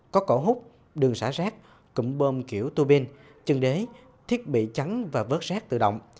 có cổ hút đường xả rác cụm bơm kiểu turbine chân đế thiết bị chắn và vớt rác tự động